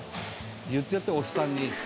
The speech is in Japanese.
言ってやっておっさんに」